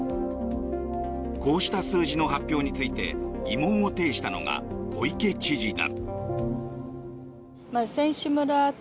こうした数字の発表について疑問を呈したのが小池知事だ。